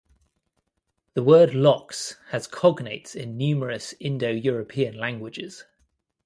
The word "lox" has cognates in numerous Indo-European languages.